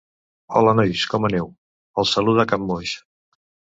Hola nois, com aneu? —els saluda, capmoix—.